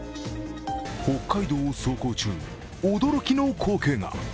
北海道を走行中、驚きの光景が。